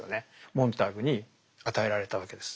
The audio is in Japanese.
モンターグに与えられたわけです。